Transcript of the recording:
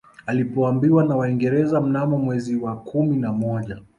Alipoambiwa na Waingereza mnamo mwezi wa kumi na moja